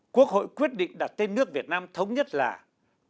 quốc hội quyết định đặt tên nước việt nam thống nhất là cộng hòa xã hội chủ nghĩa việt nam